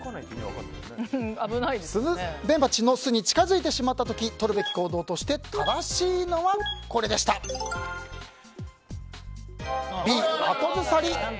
スズメバチの巣に近づいてしまった時とるべき行動として正しいのはＢ、後ずさり。